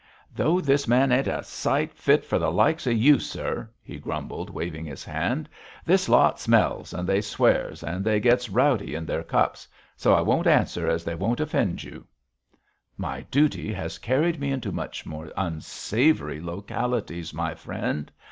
'Though this ain't a sight fit for the likes of you, sir,' he grumbled, waving his hand. 'This lot smells and they swears, and they gets rowdy in their cups, so I won't answer as they won't offend you.' 'My duty has carried me into much more unsavoury localities, my friend.